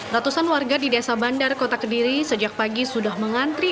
ratusan warga di desa bandar kota kediri sejak pagi sudah mengantri